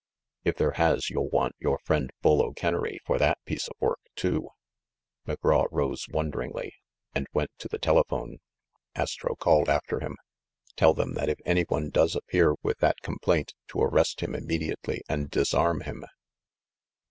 If there has, you'll want your friend Bull O'Kennery for that piece of work, too." McGraw rose wonderingly and went to the tele phone. Astro called after him, "Tell them that if any one does appear with that complaint, to arrest him imme diately and disarm him."